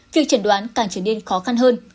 việc chẩn đoán càng trở nên khó khăn hơn